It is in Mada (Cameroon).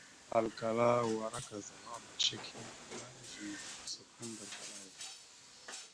Aya ahalkala: « Wara kazawaba shek hine ana ezine ogǝsufo ndar kaɗay ».